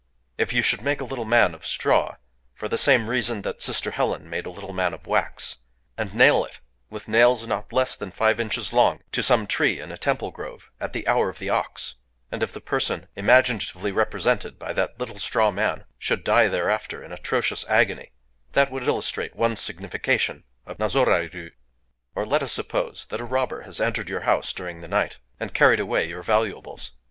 If you should make a little man of straw, for the same reason that Sister Helen made a little man of wax,—and nail it, with nails not less than five inches long, to some tree in a temple grove at the Hour of the Ox (2),—and if the person, imaginatively represented by that little straw man, should die thereafter in atrocious agony,—that would illustrate one signification of nazoraëru... Or, let us suppose that a robber has entered your house during the night, and carried away your valuables.